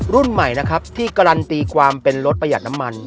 รุ่นใหม่นะครับที่การันตีความเป็นรถประหยัดน้ำมัน